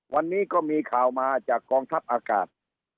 วันนี้ก็มีข่าวมาจากกองทัพอากาศ